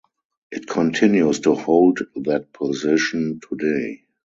It continues to hold that position today.